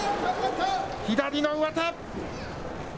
左の上手。